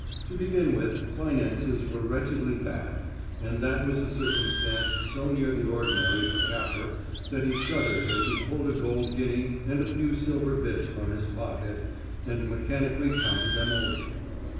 To begin with, finances were wretchedly bad, and that was a circumstance so near the ordinary for Capper that he shuddered as he pulled a gold guinea and a few silver bits from his pocket, and mechanically counted them over.